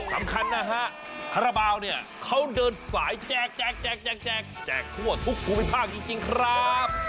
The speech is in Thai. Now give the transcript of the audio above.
สำคัญนะฮะคาราบาลเนี่ยเขาเดินสายแจกแจกทั่วทุกภูมิภาคจริงครับ